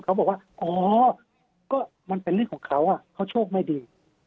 เขาบอกว่าอ๋อก็มันเป็นเรื่องของเขาเขาโชคไม่ดี